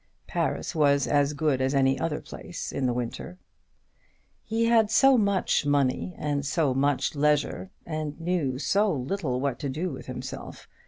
Paris was as good as any other place in the winter. He had so much money and so much leisure, and so little knew what to do with himself.